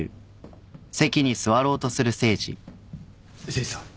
誠司さん。